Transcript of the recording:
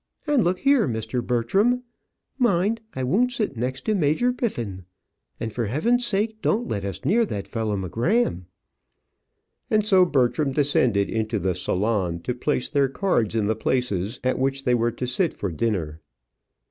And look here, Mr. Bertram, mind, I won't sit next to Major Biffin. And, for heaven's sake, don't let us be near that fellow M'Gramm." And so Bertram descended into the salon to place their cards in the places at which they were to sit for dinner.